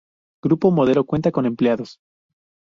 Grupo Modelo cuenta con empleados.